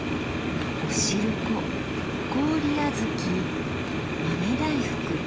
「おしるこ」「氷あづき」「豆大福」。